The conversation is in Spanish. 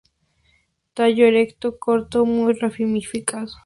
Tallo erecto, corto, muy ramificado.